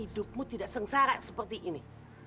hidupmu tidak sengsara seperti ini